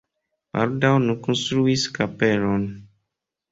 Baldaŭ oni konstruis kapelon.